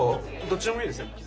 どっちでもいいですよ。